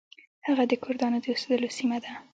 هغه د کردانو د اوسیدلو سیمه ده.